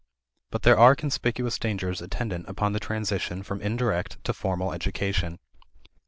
But there are conspicuous dangers attendant upon the transition from indirect to formal education.